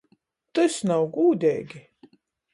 Tys nav gūdeigi!